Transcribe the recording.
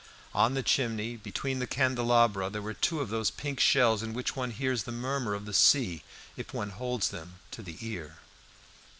On the chimney between the candelabra there were two of those pink shells in which one hears the murmur of the sea if one holds them to the ear.